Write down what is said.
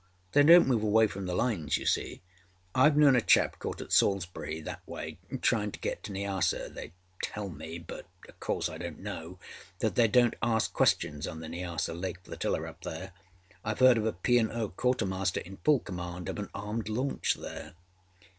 They donât move away from the line, you see. Iâve known a chap caught at Salisbury that way tryinâ to get to Nyassa. They tell me, but oâ course I donât know, that they donât ask questions on the Nyassa Lake Flotilla up there. Iâve heard of a P. and O. quartermaster in full command of an armed launch there.